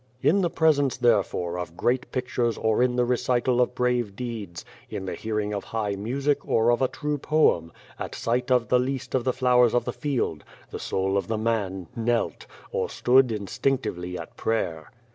" In the presence, therefore, of great pictures or in the recital of brave deeds, in the hearing of high music, or of a true poem, at sight of the least of the flowers of the field the soul of the man knelt, or stood instinctively at prayer.